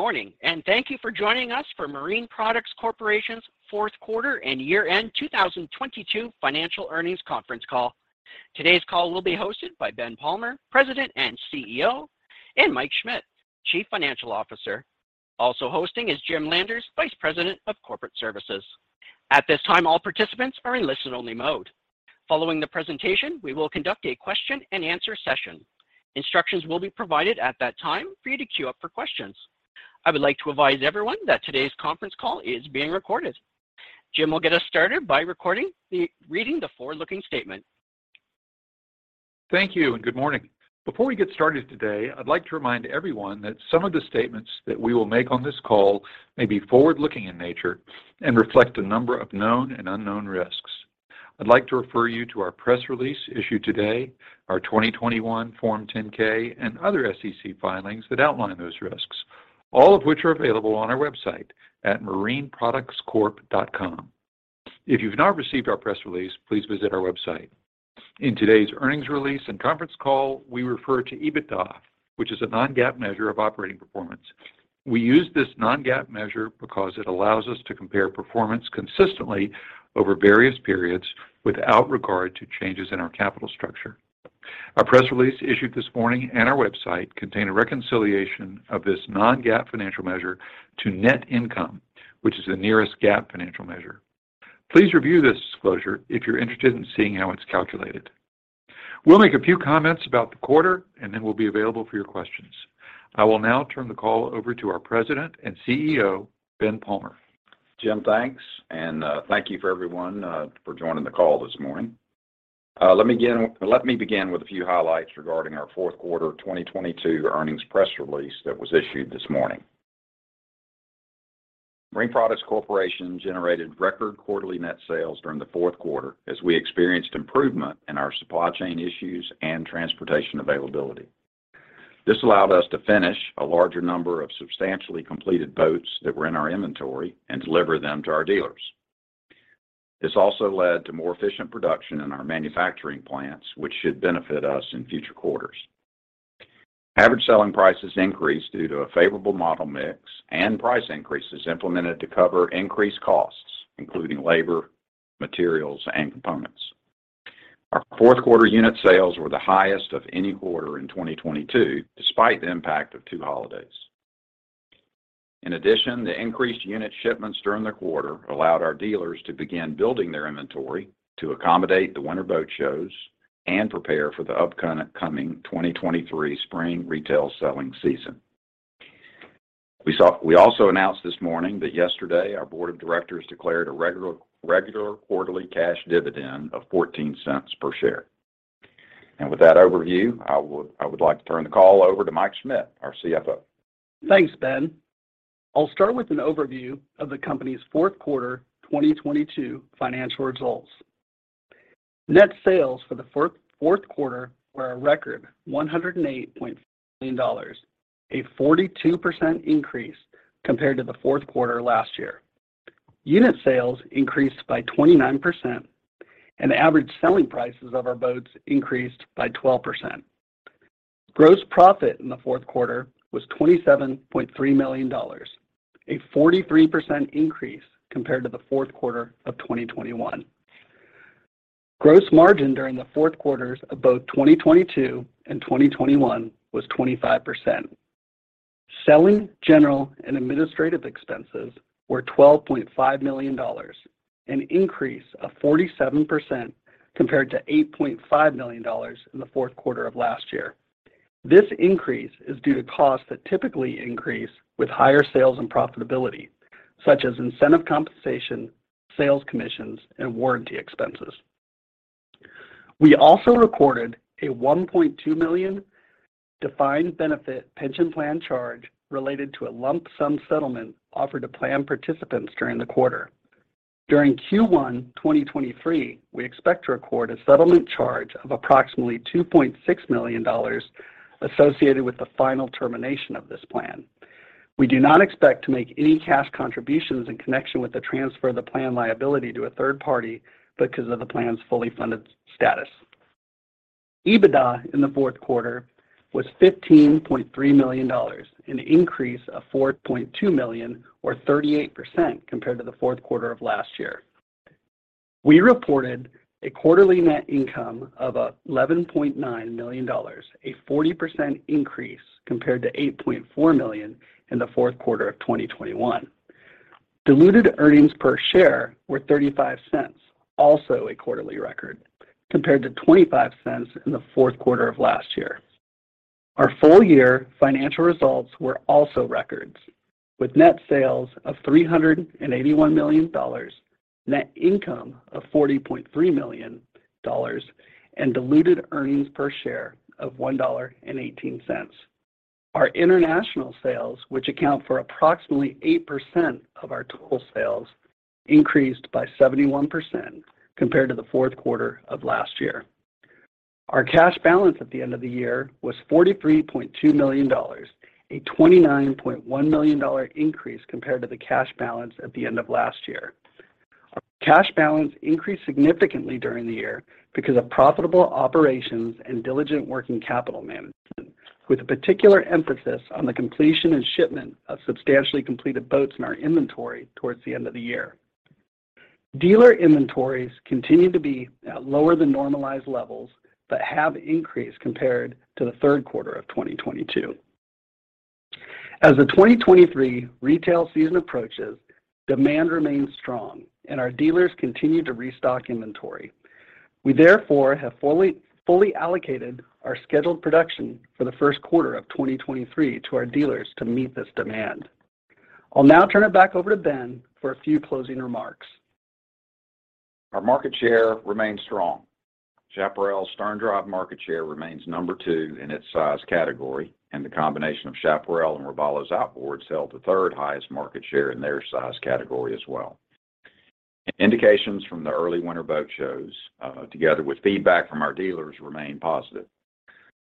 Good morning, and thank you for joining us for Marine Products Corporation's fourth quarter and year-end 2022 financial earnings conference call. Today's call will be hosted by Ben Palmer, President and CEO, and Mike Schmit, Chief Financial Officer. Also hosting is Jim Landers, Vice President of Corporate Services. At this time, all participants are in listen-only mode. Following the presentation, we will conduct a question-and-answer session. Instructions will be provided at that time for you to queue up for questions. I would like to advise everyone that today's conference call is being recorded. Jim will get us started by reading the forward-looking statement. Thank you, and good morning. Before we get started today, I'd like to remind everyone that some of the statements that we will make on this call may be forward-looking in nature and reflect a number of known and unknown risks. I'd like to refer you to our press release issued today, our 2021 Form 10-K, and other SEC filings that outline those risks, all of which are available on our website at marineproductscorp.com. If you've not received our press release, please visit our website. In today's earnings release and conference call, we refer to EBITDA, which is a non-GAAP measure of operating performance. We use this non-GAAP measure because it allows us to compare performance consistently over various periods without regard to changes in our capital structure. Our press release issued this morning and our website contain a reconciliation of this non-GAAP financial measure to net income, which is the nearest GAAP financial measure. Please review this disclosure if you're interested in seeing how it's calculated. We'll make a few comments about the quarter, and then we'll be available for your questions. I will now turn the call over to our President and CEO, Ben Palmer. Jim, thanks. Thank you for everyone for joining the call this morning. Let me begin with a few highlights regarding our fourth quarter 2022 earnings press release that was issued this morning. Marine Products Corporation generated record quarterly net sales during the fourth quarter as we experienced improvement in our supply chain issues and transportation availability. This allowed us to finish a larger number of substantially completed boats that were in our inventory and deliver them to our dealers. This also led to more efficient production in our manufacturing plants, which should benefit us in future quarters. Average selling prices increased due to a favorable model mix and price increases implemented to cover increased costs, including labor, materials, and components. Our fourth quarter unit sales were the highest of any quarter in 2022, despite the impact of two holidays. In addition, the increased unit shipments during the quarter allowed our dealers to begin building their inventory to accommodate the winter boat shows and prepare for the upcoming 2023 spring retail selling season. We also announced this morning that yesterday our board of directors declared a regular quarterly cash dividend of $0.14 per share. With that overview, I would like to turn the call over to Mike Schmit, our CFO. Thanks, Ben. I'll start with an overview of the company's fourth quarter 2022 financial results. Net sales for the fourth quarter were a record $108.4 million, a 42% increase compared to the fourth quarter last year. Unit sales increased by 29%, and average selling prices of our boats increased by 12%. Gross profit in the fourth quarter was $27.3 million, a 43% increase compared to the fourth quarter of 2021. Gross margin during the fourth quarters of both 2022 and 2021 was 25%. Selling, general, and administrative expenses were $12.5 million, an increase of 47% compared to $8.5 million in the fourth quarter of last year. This increase is due to costs that typically increase with higher sales and profitability, such as incentive compensation, sales commissions, and warranty expenses. We also recorded a $1.2 million defined benefit pension plan charge related to a lump sum settlement offered to plan participants during the quarter. During Q1 2023, we expect to record a settlement charge of approximately $2.6 million associated with the final termination of this plan. We do not expect to make any cash contributions in connection with the transfer of the plan liability to a third party because of the plan's fully funded status. EBITDA in the fourth quarter was $15.3 million, an increase of $4.2 million or 38% compared to the fourth quarter of last year. We reported a quarterly net income of $11.9 million, a 40% increase compared to $8.4 million in the fourth quarter of 2021. Diluted earnings per share were $0.35, also a quarterly record, compared to $0.25 in the fourth quarter of last year. Our full year financial results were also records, with net sales of $381 million, net income of $40.3 million, and Diluted earnings per share of $1.18. Our international sales, which account for approximately 8% of our total sales, increased by 71% compared to the fourth quarter of last year. Our cash balance at the end of the year was $43.2 million, a $29.1 million increase compared to the cash balance at the end of last year. Cash balance increased significantly during the year because of profitable operations and diligent working capital management, with a particular emphasis on the completion and shipment of substantially completed boats in our inventory towards the end of the year. Dealer inventories continue to be at lower than normalized levels, but have increased compared to the third quarter of 2022. As the 2023 retail season approaches, demand remains strong and our dealers continue to restock inventory. We therefore have fully allocated our scheduled production for the first quarter of 2023 to our dealers to meet this demand. I'll now turn it back over to Ben for a few closing remarks. Our market share remains strong. Chaparral's sterndrive market share remains number two in its size category, and the combination of Chaparral and Robalo's outboards held the third-highest market share in their size category as well. Indications from the early winter boat shows, together with feedback from our dealers, remain positive.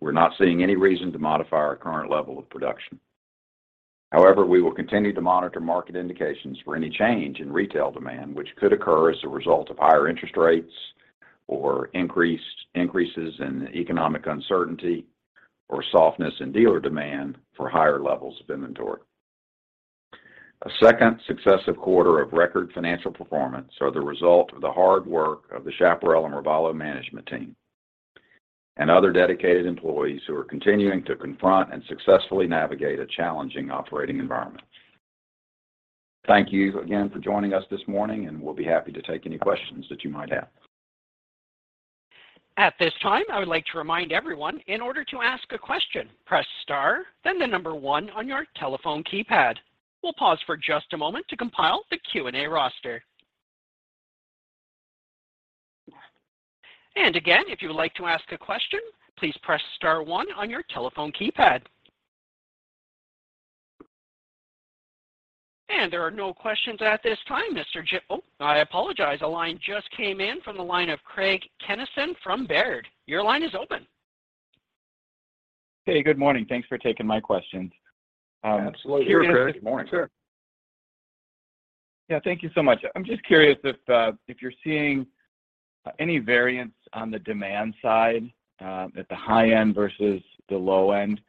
We're not seeing any reason to modify our current level of production. However, we will continue to monitor market indications for any change in retail demand which could occur as a result of higher interest rates or increases in economic uncertainty or softness in dealer demand for higher levels of inventory. A second successive quarter of record financial performance are the result of the hard work of the Chaparral and Robalo management team and other dedicated employees who are continuing to confront and successfully navigate a challenging operating environment. Thank you again for joining us this morning, and we'll be happy to take any questions that you might have. At this time, I would like to remind everyone, in order to ask a question, press star, then the number one on your telephone keypad. We'll pause for just a moment to compile the Q&A roster. Again, if you would like to ask a question, please press star one on your telephone keypad. There are no questions at this time, Mr. Jim. Oh, I apologize. A line just came in from the line of Craig Kennison from Baird. Your line is open. Hey, good morning. Thanks for taking my questions. Absolutely. Sure, Craig. Good morning. Sure. Thank you so much. I'm just curious if you're seeing any variance on the demand side, at the high end versus the low end.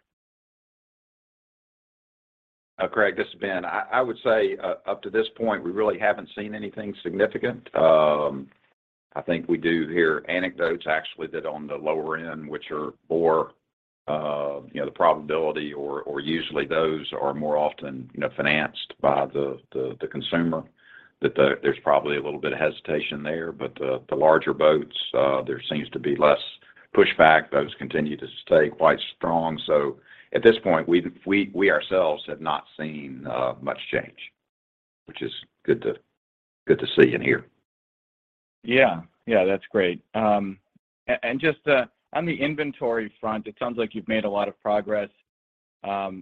Craig, this is Ben. I would say, up to this point, we really haven't seen anything significant. I think we do hear anecdotes actually that on the lower end, which are more, you know, the probability or usually those are more often, you know, financed by the consumer, there's probably a little bit of hesitation there. The larger boats, there seems to be less pushback. Those continue to stay quite strong. At this point, we ourselves have not seen much change, which is good to see and hear. Yeah. Yeah, that's great. Just on the inventory front, it sounds like you've made a lot of progress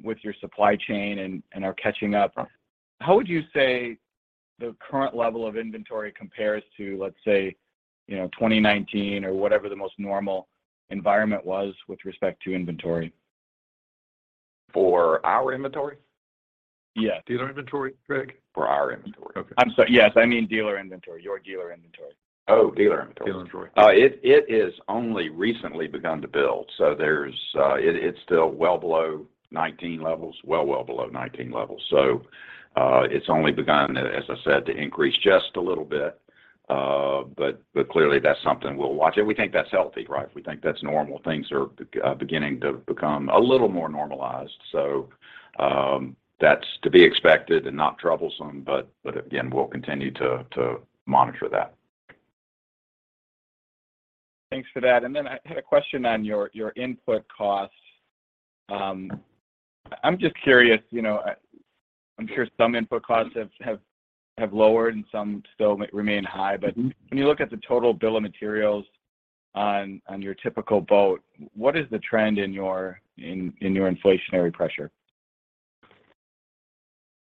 with your supply chain and are catching up. How would you say the current level of inventory compares to, let's say, you know, 2019 or whatever the most normal environment was with respect to inventory? For our inventory? Yes. Dealer inventory, Craig? For our inventory. Okay. I'm sorry. Yes, I mean, dealer inventory. Your dealer inventory. Oh, dealer inventory. Dealer inventory. It is only recently begun to build. It's still well below 19 levels. Well below 19 levels. It's only begun, as I said, to increase just a little bit. Clearly that's something we'll watch. We think that's healthy, right? We think that's normal. Things are beginning to become a little more normalized. That's to be expected and not troublesome, but again, we'll continue to monitor that. Thanks for that. I had a question on your input costs. I'm just curious, you know. I'm sure some input costs have lowered and some still remain high. When you look at the total bill of materials on your typical boat, what is the trend in your inflationary pressure?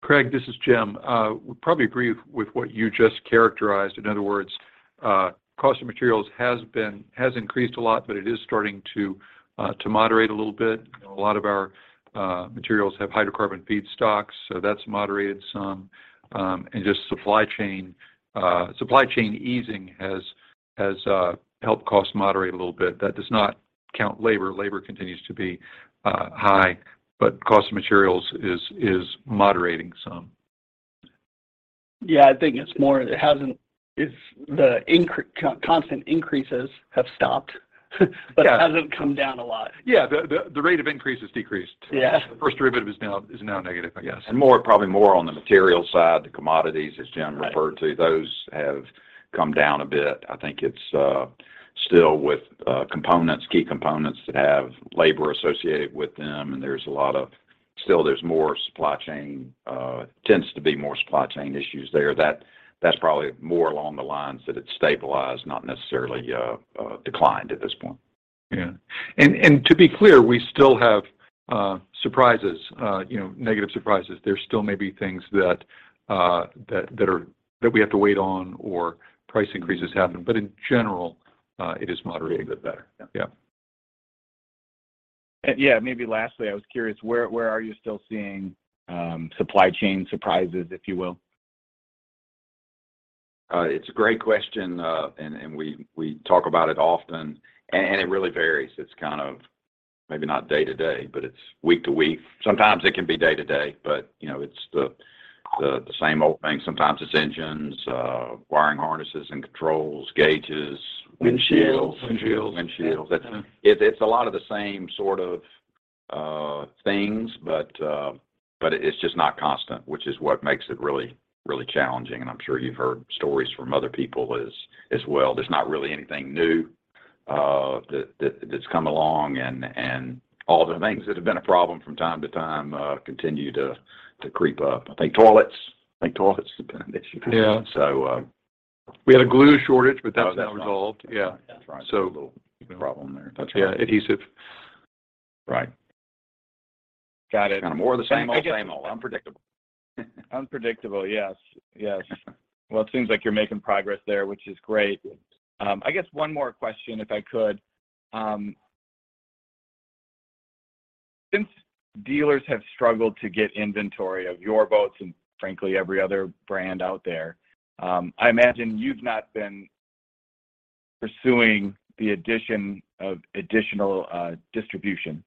Craig, this is Jim. Would probably agree with what you just characterized. In other words, cost of materials has increased a lot, but it is starting to moderate a little bit. You know, a lot of our materials have hydrocarbon feedstocks, so that's moderated some. Just supply chain easing has helped costs moderate a little bit. That does not count labor. Labor continues to be high, but cost of materials is moderating some. Yeah, I think it's more it hasn't... It's the constant increases have stopped. Yeah. It hasn't come down a lot. Yeah. The rate of increase has decreased. Yeah. The first derivative is now negative, I guess. More, probably more on the material side, the commodities, as Jim referred to. Right. Those have come down a bit. I think it's still with components, key components that have labor associated with them, and still, there's more supply chain tends to be more supply chain issues there. That's probably more along the lines that it's stabilized, not necessarily declined at this point. Yeah. To be clear, we still have, surprises, you know, negative surprises. There still may be things that we have to wait on or price increases happen. In general, it is moderating. A bit better. Yeah. Yeah. Yeah, maybe lastly, I was curious, where are you still seeing, supply chain surprises, if you will? It's a great question. We talk about it often and it really varies. It's kind of maybe not day to day, but it's week to week. Sometimes it can be day to day, but, you know, it's the same old thing. Sometimes it's engines, wiring harnesses and controls, gauges. Windshields. Windshields. Windshields. It's a lot of the same sort of things, but it's just not constant, which is what makes it really challenging. I'm sure you've heard stories from other people as well. There's not really anything new that's come along and all the things that have been a problem from time to time continue to creep up. I think toilets have been an issue. Yeah. So, um- We had a glue shortage, but that's now resolved. Oh, that's right. That's right. Yeah. That's right. So- Little problem there. Yeah, adhesive. Right. Got it. Kind of more of the same old, same old. Unpredictable. Unpredictable, yes. Well, it seems like you're making progress there, which is great. I guess one more question, if I could. Since dealers have struggled to get inventory of your boats, and frankly every other brand out there, I imagine you've not been pursuing the addition of additional distribution.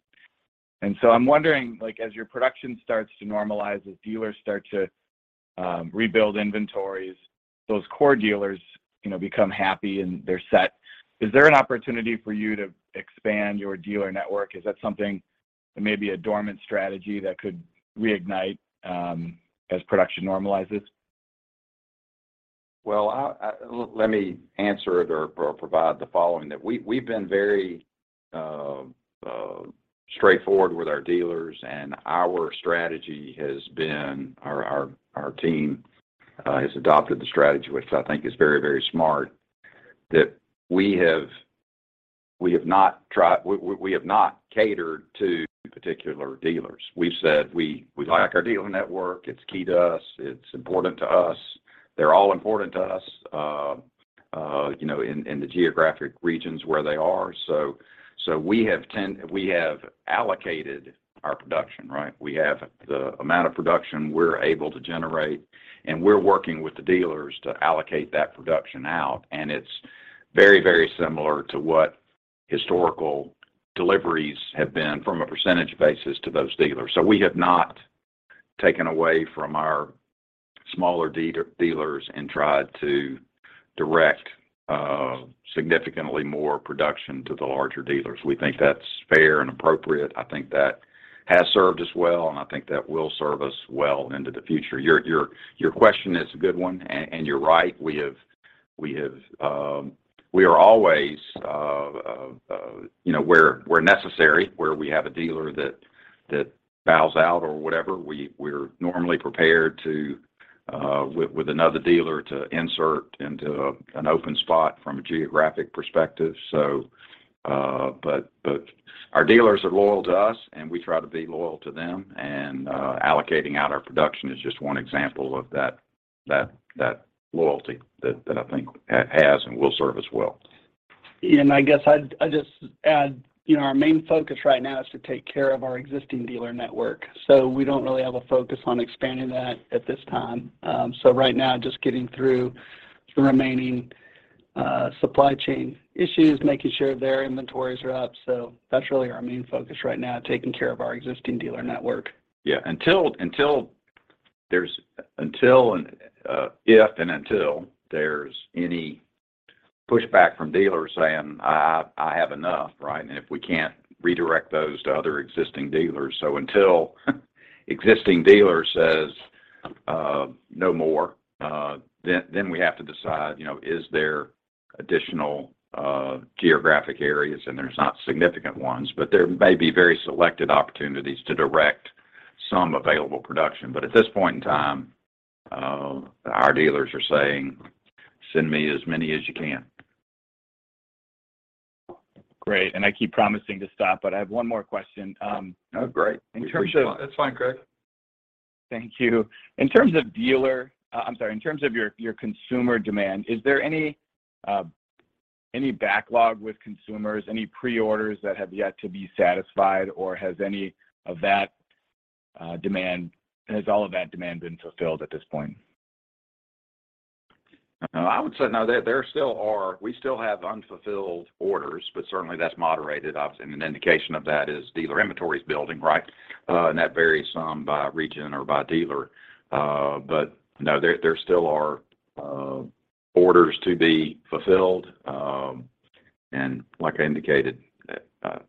So I'm wondering, like as your production starts to normalize, as dealers start to rebuild inventories, those core dealers, you know, become happy and they're set. Is there an opportunity for you to expand your dealer network? Is that something that may be a dormant strategy that could reignite, as production normalizes? Well, let me answer it or provide the following, that we've been very straightforward with our dealers and our strategy has been, our team has adopted the strategy, which I think is very, very smart, that we have not tried. We have not catered to particular dealers. We've said we like our dealer network. It's key to us. It's important to us. They're all important to us, you know, in the geographic regions where they are. We have allocated our production, right? We have the amount of production we're able to generate, and we're working with the dealers to allocate that production out, and it's very, very similar to what historical deliveries have been from a percentage basis to those dealers. We have not taken away from our smaller dealers and tried to direct significantly more production to the larger dealers. We think that's fair and appropriate. I think that has served us well, and I think that will serve us well into the future. Your question is a good one, and you're right. We have, we are always, you know, where necessary, where we have a dealer that bows out or whatever, we're normally prepared to with another dealer to insert into an open spot from a geographic perspective. Our dealers are loyal to us and we try to be loyal to them, and allocating out our production is just one example of that loyalty that I think has and will serve us well. I guess I'd just add, you know, our main focus right now is to take care of our existing dealer network. We don't really have a focus on expanding that at this time. Right now just getting through the remaining supply chain issues, making sure their inventories are up. That's really our main focus right now, taking care of our existing dealer network. Yeah. Until there's if and until there's any pushback from dealers saying, "I have enough," right? If we can't redirect those to other existing dealers. Until existing dealer says, "No more," then we have to decide, you know, is there additional geographic areas, and there's not significant ones, but there may be very selected opportunities to direct some available production. At this point in time, our dealers are saying, "Send me as many as you can. Great, I keep promising to stop, but I have one more question. Oh, great. In terms of- That's fine, Craig. Thank you. I'm sorry, in terms of your consumer demand, is there any backlog with consumers, any pre-orders that have yet to be satisfied, or has all of that demand been fulfilled at this point? There are still unfulfilled orders, but certainly that's moderated. Obviously, an indication of that is dealer inventory is building, right? And that varies some by region or by dealer. But no, there are still orders to be fulfilled. And like I indicated,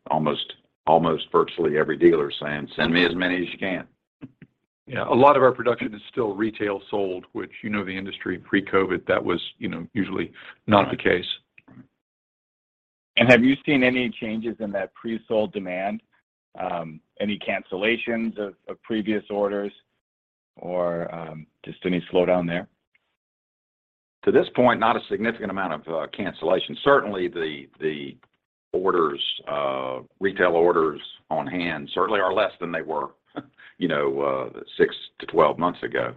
almost virtually every dealer is saying, "Send me as many as you can. Yeah, a lot of our production is still retail sold, which, you know, the industry pre-COVID, that was, you know, usually not the case. Have you seen any changes in that pre-sold demand? Any cancellations of previous orders or, just any slowdown there? To this point, not a significant amount of cancellation. Certainly the orders, retail orders on hand certainly are less than they were, you know, s6-12 months ago.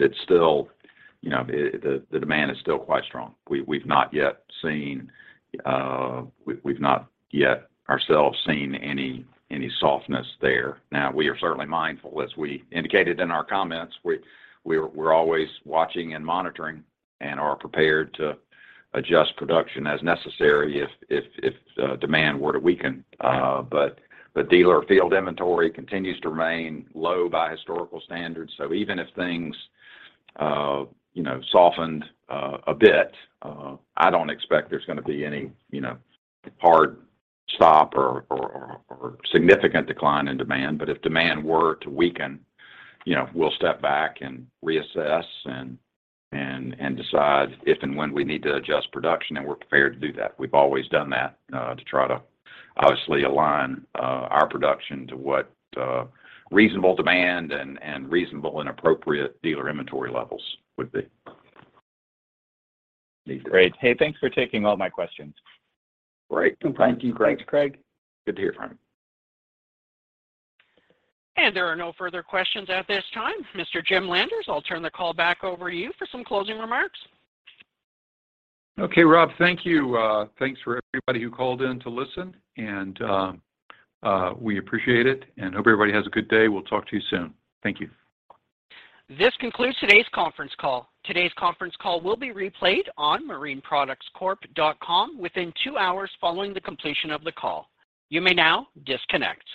It's still, you know, the demand is still quite strong. We've not yet seen, we've not yet ourselves seen any softness there. Now, we are certainly mindful, as we indicated in our comments, we're always watching and monitoring and are prepared to adjust production as necessary if demand were to weaken. The dealer field inventory continues to remain low by historical standards. Even if things, you know, softened a bit, I don't expect there's gonna be any, you know, hard stop or significant decline in demand. If demand were to weaken, you know, we'll step back and reassess and decide if and when we need to adjust production. We're prepared to do that. We've always done that, to try to obviously align our production to what, reasonable demand and reasonable and appropriate dealer inventory levels would be. Great. Hey, thanks for taking all my questions. Great. Thank you, Craig. Thanks, Craig. Good to hear from you. There are no further questions at this time. Mr. Jim Landers, I'll turn the call back over to you for some closing remarks. Okay, Rob, thank you. Thanks for everybody who called in to listen, and we appreciate it and hope everybody has a good day. We'll talk to you soon. Thank you. This concludes today's conference call. Today's conference call will be replayed on marineproductscorp.com within two hours following the completion of the call. You may now disconnect.